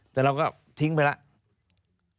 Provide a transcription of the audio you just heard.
แต่เราก็ทิ้งไปแล้ว